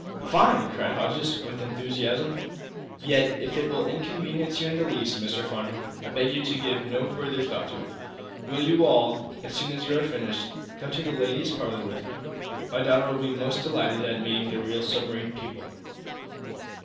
"Fine!" cried Hodges, with enthusiasm. "Yet, if it will inconvenience you in the least, Mr. Farnum, I beg you to give no further thought to it. Will you all, as soon as you are finished, come to the ladies' parlor with me? My daughter will be most delighted at meeting real submarine people."